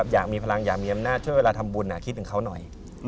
อยากมีพลังอยากมีอำนาจช่วยเวลาทำบุญคิดถึงเขาหน่อย